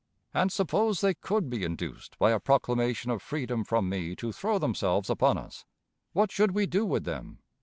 And suppose they could be induced by a proclamation of freedom from me to throw themselves upon us, what should we do with them?